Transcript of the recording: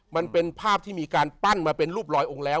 มันเป็นภาพที่มีการปั้นมาเป็นรูปลอยองค์แล้ว